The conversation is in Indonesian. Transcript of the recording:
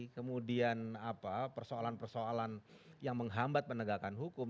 kemudian persoalan persoalan yang menghambat penegakan hukum